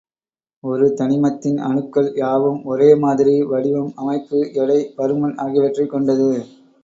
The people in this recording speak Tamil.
ஒரு தனிமத்தின் அணுக்கள் யாவும் ஒரே மாதிரி வடிவம், அமைப்பு, எடை, பருமன் ஆகியவற்றைக் கொண்டது.